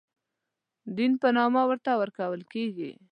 دین په نامه ورته ورکول کېږي.